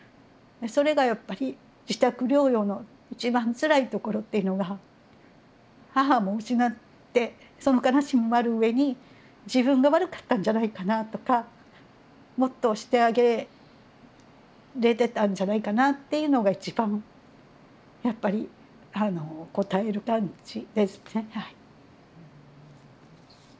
それがやっぱり自宅療養の一番つらいところっていうのが母も失ってその悲しみもあるうえに自分が悪かったんじゃないかなとかもっとしてあげれてたんじゃないかなっていうのが一番やっぱりこたえる感じですねはい。